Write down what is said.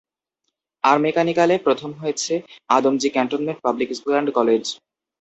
আর মেকানিক্যালে প্রথম হয়েছে Adamjee cantonment public school and college.